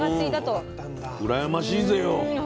うらやましいぜよ。